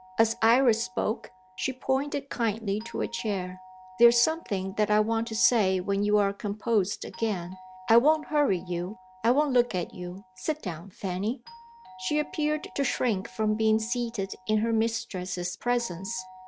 As Iris spoke, she pointed kindly to a chair. "There is something that I want to say when you are composed again. I won't hurry you; I won't look at you. Sit down, Fanny." She appeared to shrink from being seated in her mistress's presence.